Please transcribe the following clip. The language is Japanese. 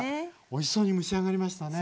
おいしそうに蒸し上がりましたね！